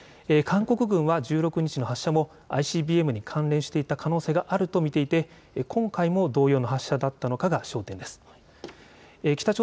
韓国軍は１６日の発射もＩＣＢＭに関連していた可能性があると見ていて今回も同様の発射だったのかが焦点です。